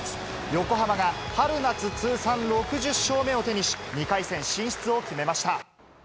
横浜が春夏通算６０勝目を手にし、２回戦進出を決めました。